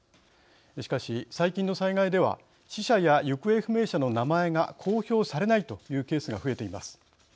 しかし最近の災害では死者や行方不明者の名前が公表されないというケースが増えています。